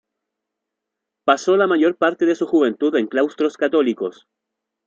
Pasó la mayor parte de su juventud en claustros católicos.